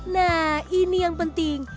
nah ini yang penting